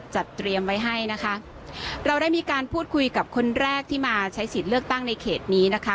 จัดเตรียมไว้ให้นะคะเราได้มีการพูดคุยกับคนแรกที่มาใช้สิทธิ์เลือกตั้งในเขตนี้นะคะ